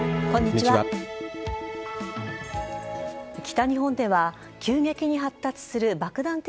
北日本では急激に発達する爆弾